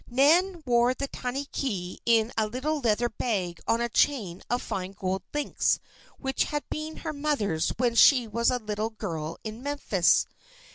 Nan wore the tiny key in a little leather bag, on a chain of fine gold links which had been her mother's when she was a little girl in Memphis.